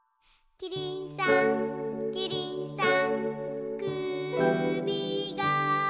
「キリンさんキリンさん」